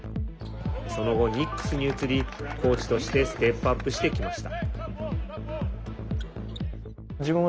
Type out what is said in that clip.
その後、ニックスに移りコーチとしてステップアップしてきました。